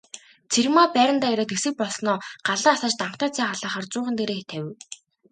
Цэрэгмаа байрандаа ирээд хэсэг болсноо галаа асааж данхтай цай халаахаар зуухан дээрээ тавив.